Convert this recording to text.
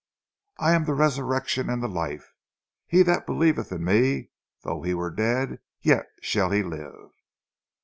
_"I am the resurrection and the life. He that believeth in Me, though he were dead yet shall he live....